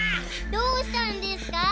どうしたんですかぁ？